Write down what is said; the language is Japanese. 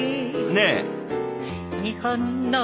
ねえ！